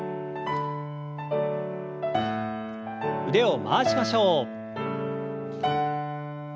腕を回しましょう。